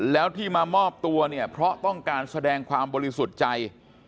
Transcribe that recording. แล้วที่มามอบตัวเนี่ยเพราะต้องการแสดงความบริสุทธิ์ใจ